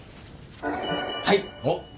はい！